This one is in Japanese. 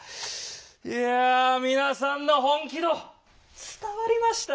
いや皆さんの本気度伝わりました。